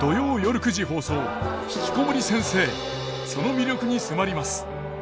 その魅力に迫ります。